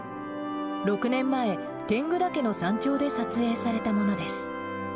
６年前、天狗岳の山頂で撮影されたものです。